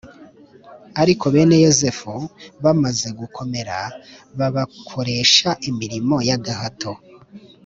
Ariko bene Yozefu bamaze gukomera babakoresha imirimo y’agahato.